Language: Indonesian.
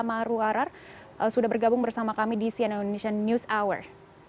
pak maru arar sudah bergabung bersama kami di sian indonesian news hour